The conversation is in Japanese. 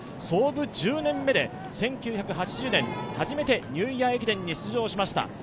創部１０年目で１９８０年、初めてニューイヤー駅伝に出場しました。